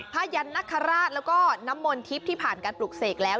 ยันนคราชแล้วก็น้ำมนทิพย์ที่ผ่านการปลูกเสกแล้ว